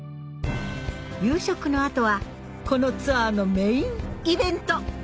夕食の後はこのツアーのメインイベント！